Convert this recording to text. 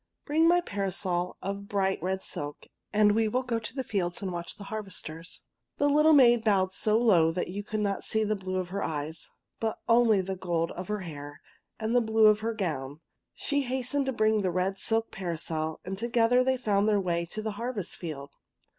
'' Bring my parasol of bright red silk, and we will go to the fields and watch the harvesters." The little maid bowed so low that you could not see the blue of her eyes, but only the gold of her hair and the blue of her gown. She hastened to bring the red silk parasol, and together they found their way to the harvest field.